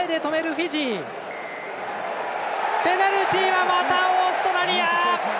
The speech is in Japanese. ペナルティはまたオーストラリア。